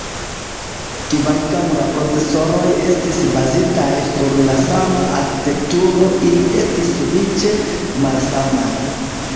Kvankam la procesoroj estis bazitaj sur la sama arkitekturo ili estis sufiĉe malsamaj.